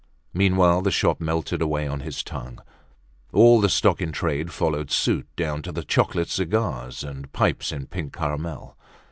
Meanwhile the shop melted away on his tongue. All the stock in trade followed suit down to the chocolate cigars and pipes in pink caramel.